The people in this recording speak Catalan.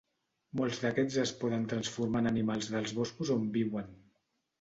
Molts d'aquests es poden transformar en animals dels boscos on viuen.